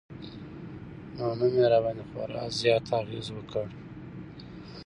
نو نوم يې راباندې خوړا زيات اغېز وکړ